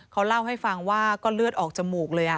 เขาเล่าให้ฟังว่าก็เลือดออกจมูกเลย